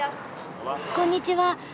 こんにちは。